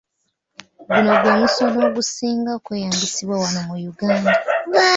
Guno gwe musono ogusinga okweyambisibwa wano mu Uganda.